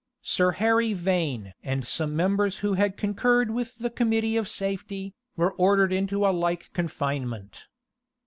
Sir Harry Vane and some members who had concurred with the committee of safety, were ordered into a like confinement.